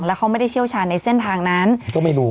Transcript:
แล้วเขาไม่ได้เชี่ยวชาญในเส้นทางนั้นก็ไม่รู้